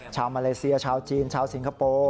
ชาวมาเลเซียชาวจีนชาวสิงคโปร์